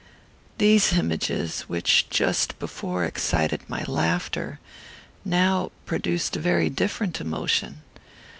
These images, which had just before excited my laughter, now produced a very different emotion.